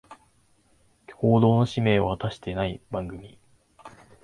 報道の使命を果たしてない番組